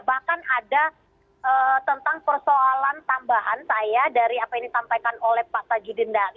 bahkan ada tentang persoalan tambahan saya dari apa yang disampaikan oleh pak tajudin tadi